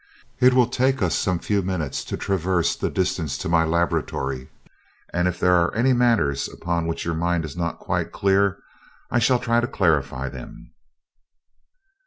It will take us some few minutes to traverse the distance to my laboratory, and if there are any matters upon which your mind is not quite clear, I shall try to clarify them."